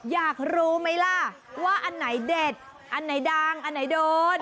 อยากรู้ไหมล่ะว่าอันไหนเด็ดอันไหนดังอันไหนโดน